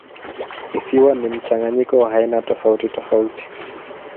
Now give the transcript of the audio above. Visiwa ni mchanganyiko wa aina tofautitofauti.